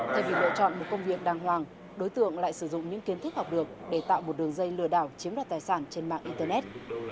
thay vì lựa chọn một công việc đàng hoàng đối tượng lại sử dụng những kiến thức học được để tạo một đường dây lừa đảo chiếm đoạt tài sản trên mạng internet